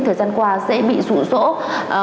thời gian qua sẽ bị rủ rỗ